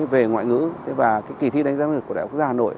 về ngoại ngữ và cái kỳ thi đánh giá của đại học gia hà nội